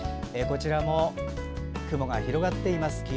こちらも雲が広がっています。